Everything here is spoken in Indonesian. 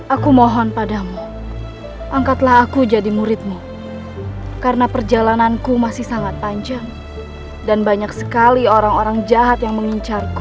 aku mohon padamu angkatlah aku jadi muridmu karena perjalananku masih sangat panjang dan banyak sekali orang orang jahat yang mengincarku